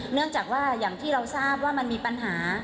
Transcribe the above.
เนื่องจากว่าอย่างที่เราทราบว่ามันมีปัญหา